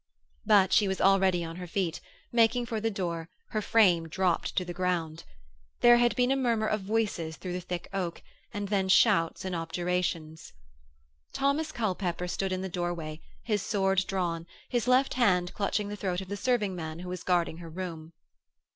But she was already on her feet, making for the door, her frame dropped to the ground. There had been a murmur of voices through the thick oak, and then shouts and objurgations. Thomas Culpepper stood in the doorway, his sword drawn, his left hand clutching the throat of the serving man who was guarding her room.